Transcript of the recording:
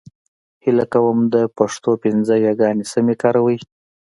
هيله کوم د پښتو پنځه يېګانې سمې کاروئ !